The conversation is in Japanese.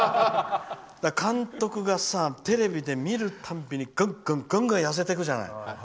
監督が、テレビで見るたびにガンガン痩せていくじゃない。